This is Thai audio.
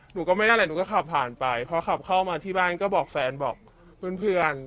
หนูก็ไม่ได้อะไรหนูก็ขับผ่านไปพอขับเข้ามาที่บ้านก็บอกแฟนบอกเพื่อน